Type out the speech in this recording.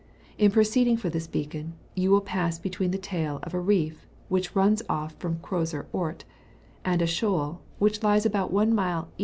In proceeding for this beacon, you will pass between the tail of a reef which runs ofl* &om Eroser Ort, and a shoal which lies about one mile E.